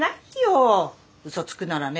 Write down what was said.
うそつくならね